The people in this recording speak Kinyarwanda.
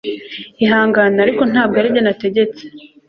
Ihangane ariko ntabwo aribyo nategetse